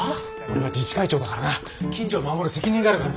俺は自治会長だからな近所を守る責任があるからな。